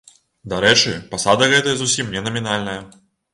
Дарэчы, пасада гэтая зусім не намінальная.